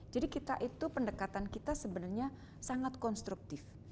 jadi kita itu pendekatan kita sebenarnya sangat konstruktif